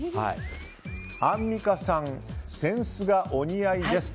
アンミカさん扇子がお似合いです。